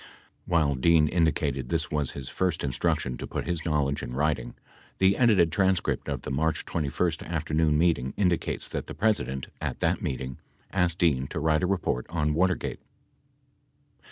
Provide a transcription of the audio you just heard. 66 While Dean indicated this was his first instruction to put his knowledge in writing, the edited transcript of the March 21st afternoon meeting indicates that the President, at that meeting, asked Dean to write a report on Watergate.